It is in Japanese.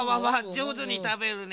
じょうずにたべるね。